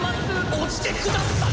落ちてください！